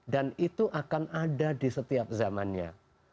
dan itu akan ada di setiap zamannya